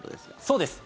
そうです。